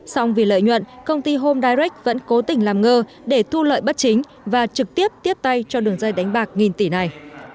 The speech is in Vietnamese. xong vì lợi nhuận công ty homdak vẫn cố tình làm ngơ để thu lợi bất chính và trực tiếp tiếp tay cho đường dây đánh bạc nghìn tỷ này